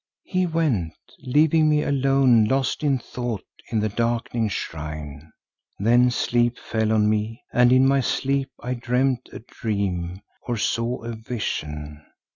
"He went, leaving me alone lost in thought in the darkening shrine. Then sleep fell on me and in my sleep I dreamed a dream, or saw a vision.